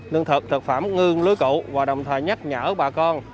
lương thực thực phẩm ngưng lưới cụ và đồng thời nhắc nhở bà con